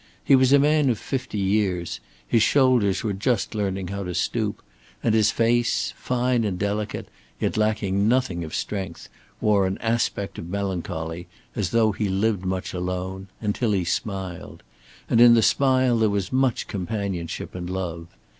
He was a man of fifty years; his shoulders were just learning how to stoop; and his face, fine and delicate, yet lacking nothing of strength, wore an aspect of melancholy, as though he lived much alone until he smiled. And in the smile there was much companionship and love.